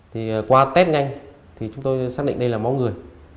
thì qua test nhanh thì chúng tôi xác định đây là máu người